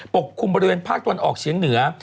กลุ่มบริเวณภาคตะวันออกเฉียงเหนือ